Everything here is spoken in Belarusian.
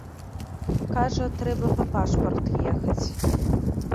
Кажа, трэба па пашпарт ехаць.